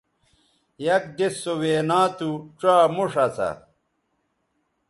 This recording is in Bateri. یک دِس سو وینا تھو ڇا موݜ اسا